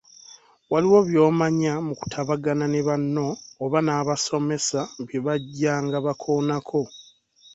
Waliwo by'omanya mu kutabagana ne banno oba n’abasomesa bye bajjanga bakoonako.